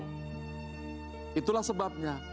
tuhan itu yang menerima